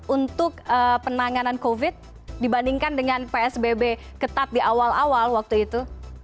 untuk penanganan covid dibandingkan dengan psbb ketat di awal awal waktu itu